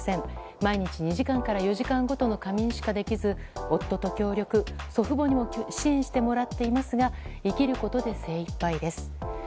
毎日２時間から４時間ごとの仮眠しかできず夫と協力、更に祖父母にも支援してもらってますが生きることで精いっぱいです。